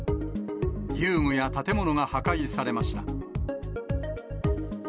遊具や建物が破壊されました。